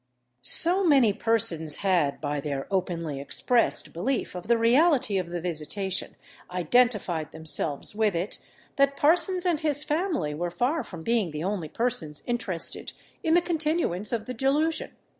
So many persons had, by their openly expressed belief of the reality of the visitation, identified themselves with it, that Parsons and his family were far from being the only persons interested in the continuance of the delusion.